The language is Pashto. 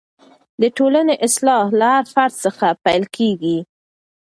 د ټولنې اصلاح له هر فرد څخه پیل کېږي.